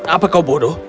apa kau bodoh